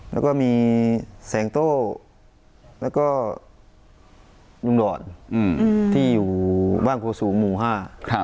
แล้วก็มีแสงโต้แล้วก็ยุงด่อนที่อยู่บ้านครัวสูงหมู่ห้า